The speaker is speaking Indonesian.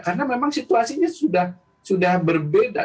karena memang situasinya sudah berbeda